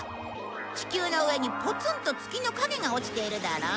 地球の上にポツンと月の影が落ちているだろ？